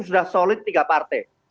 sudah solid tiga partai